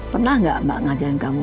pernah gak ma ngajarin kamu